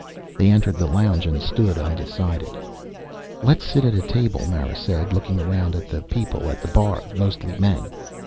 They entered the lounge and stood undecided. "Let's sit at a table," Mara said, looking around at the people at the bar, mostly men.